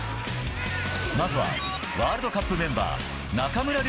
まずはワールドカップメンバー中村亮